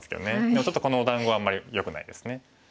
でもちょっとこのお団子はあんまりよくないですね。